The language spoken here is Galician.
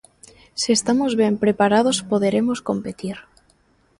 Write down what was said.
Se estamos ben preparados poderemos competir.